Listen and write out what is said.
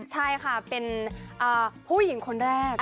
ใช่ค่ะเป็นผู้หญิงคนแรก